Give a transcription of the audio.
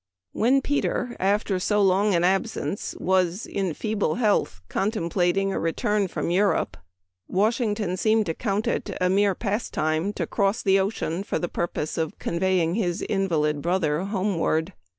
When Peter, after so long an absence, was, in his feeble health, con templating a return from Europe, Washington seemed to count it a mere pastime to cross the ocean for the purpose of conveying his invalid brother homeward.